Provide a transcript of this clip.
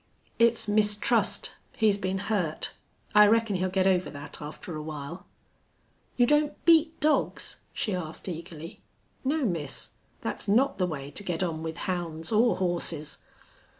"It's mistrust. He's been hurt. I reckon he'll get over that after a while." "You don't beat dogs?" she asked, eagerly. "No, miss. That's not the way to get on with hounds or horses."